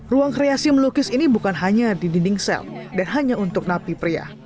ruang kreasi melukis ini bukan hanya di dinding sel dan hanya untuk napi pria